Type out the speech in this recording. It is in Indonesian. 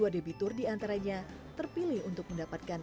empat puluh dua debitur diantaranya terpilih untuk mendapatkan